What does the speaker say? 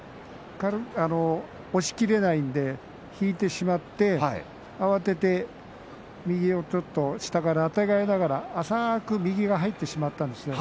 押しきれないので引いてしまって、慌てて右はちょっと下からあてがいながら浅く右が入ってしまったんですね。